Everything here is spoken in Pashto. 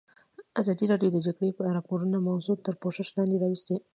ازادي راډیو د د جګړې راپورونه موضوع تر پوښښ لاندې راوستې.